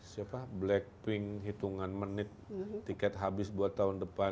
siapa blackpink hitungan menit tiket habis buat tahun depan